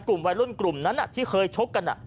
กลุ่มวัยรุ่นกลุ่มนั้นที่เคยชกกัน